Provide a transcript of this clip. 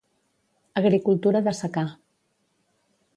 Agricultura de secà.